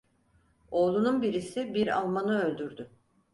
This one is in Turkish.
Oğlunun birisi bir Almanı öldürdü.